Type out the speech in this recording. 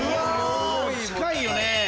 近いよね。